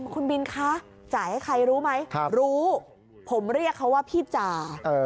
คุณบินคะจ่ายให้ใครรู้ไหมรู้ผมเรียกเขาว่าพี่จ่า